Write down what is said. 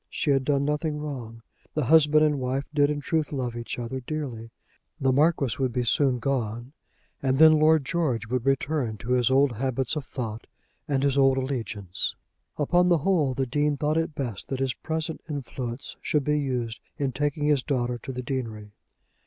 She had done nothing wrong. The husband and wife did in truth love each other dearly. The Marquis would be soon gone, and then Lord George would return to his old habits of thought and his old allegiance. Upon the whole the Dean thought it best that his present influence should be used in taking his daughter to the deanery.